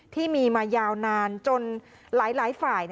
ที่มีมายาวนานจนหลายฝ่าย